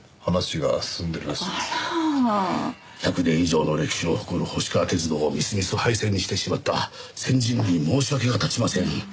１００年以上の歴史を誇る星川鐵道をみすみす廃線にしてしまっては先人に申し訳が立ちません。